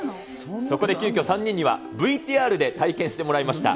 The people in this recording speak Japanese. そこで急きょ、３人にはＶＴＲで体験してもらいました。